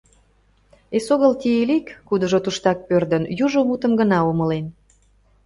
Эсогыл Тиилик, кудыжо туштак пӧрдын, южо мутым гына умылен.